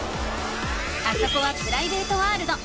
あそこはプライベートワールド。